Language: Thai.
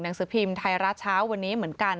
หนังสือพิมพ์ไทยรัฐเช้าวันนี้เหมือนกัน